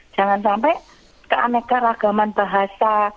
jangan sampai keaneka ragaman bahasa